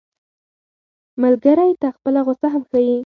ملګری ته خپله غوسه هم ښيي